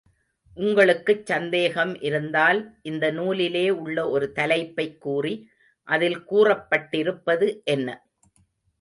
உங்களுக்குச் சந்தேகம் இருந்தால், இந்த நூலிலே உள்ள ஒரு தலைப்பைக் கூறி, அதில் கூறப்பட்டிருப்பது என்ன?